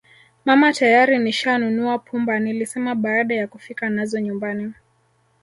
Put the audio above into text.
Mama tayari nishanunua pumba nilisema baada ya kufika nazo nyumbani